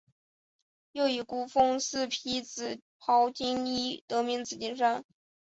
又以孤峰似披紫袍金衣得名紫金山。